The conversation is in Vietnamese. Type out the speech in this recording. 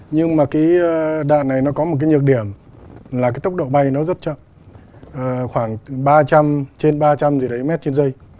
nhưng mà cái đạn này nó có một cái nhược điểm là cái tốc độ bay nó rất chậm khoảng ba trăm linh trên ba trăm linh rim trên giây